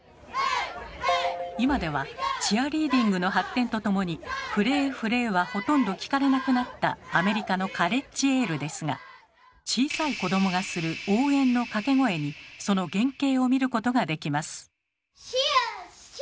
今ではチアリーディングの発展とともに「フレーフレー」はほとんど聞かれなくなったアメリカのカレッジエールですが小さい子供がする応援の掛け声にその原形を見ることができます。